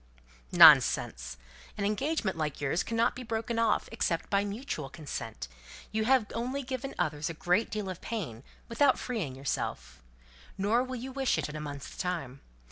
"Nonsense. An engagement like yours cannot be broken off, except by mutual consent. You've only given others a great deal of pain without freeing yourself. Nor will you wish it in a month's time.